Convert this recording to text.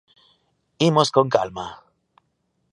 ¡Imos con calma!